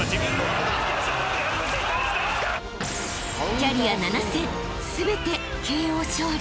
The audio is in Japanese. ［キャリア７戦全てＫＯ勝利］